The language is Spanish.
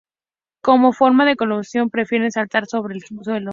Como forma de locomoción, prefieren saltar sobre el suelo.